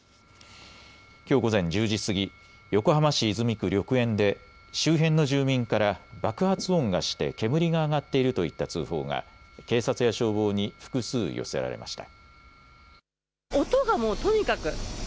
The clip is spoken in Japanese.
きょう午前１０時過ぎ横浜市泉区緑園で周辺の住民から爆発音がして煙が上がっているといった通報が警察や消防に複数、寄せられました。